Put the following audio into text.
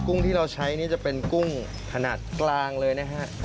ุ้งที่เราใช้นี่จะเป็นกุ้งขนาดกลางเลยนะฮะ